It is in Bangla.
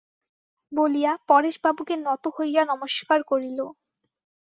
বলিয়া পরেশবাবুকে নত হইয়া নমস্কার করিল।